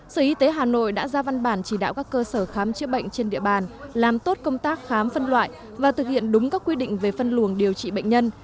sở y tế hà nội đã ra văn bản chỉ đạo các cơ sở khám chữa bệnh trên địa bàn làm tốt công tác khám phân loại và thực hiện đúng các quy định về phân luồng điều trị bệnh nhân